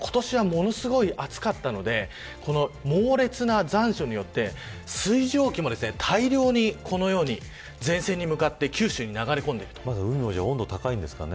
今年はものすごい暑かったので猛烈な残暑によって水蒸気も大量にこのように前線に向かって海の温度が高いんですかね。